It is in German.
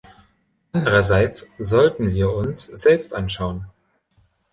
Andererseits sollten wir uns selbst anschauen.